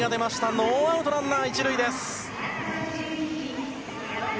ノーアウト、ランナー１塁です。